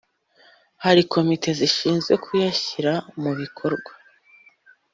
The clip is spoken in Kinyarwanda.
hari komite zishinzwe kuyashyira mu bikorwa .